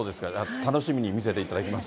楽しみに見せていただきます。